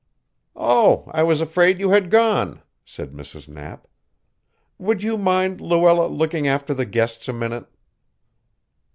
"Oh, I was afraid you had gone," said Mrs. Knapp. "Would you mind, Luella, looking after the guests a minute?"